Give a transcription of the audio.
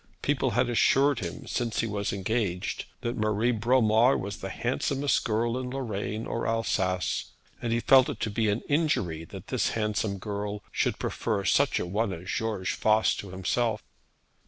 People had assured him since he was engaged that Marie Bromar was the handsomest girl in Lorraine or Alsace; and he felt it to be an injury that this handsome girl should prefer such a one as George Voss to himself.